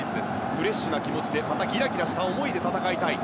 フレッシュな気持ちでまたギラギラした思いで戦いたい